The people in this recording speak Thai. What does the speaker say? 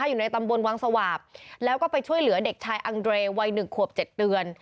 อยู่ในตำบลวังสวาปแล้วก็ไปช่วยเหลือเด็กชายอังเรย์วัย๑ขวบ๗เดือน